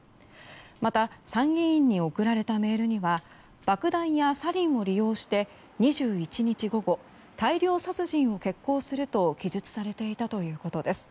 また参議院に送られたメールには爆弾やサリンを利用して２１日午後大量殺人を決行すると記述されていたということです。